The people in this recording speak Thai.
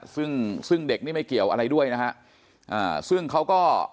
ซึ่งซึ่งเด็กนี่ไม่เกี่ยวอะไรด้วยนะฮะอ่าซึ่งเขาก็